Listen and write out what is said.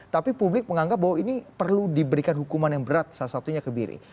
tapi publik menganggap bahwa ini perlu diberikan hukuman yang berat salah satunya kebiri